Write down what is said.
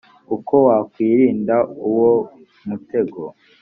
uko wakwirinda uwo mutego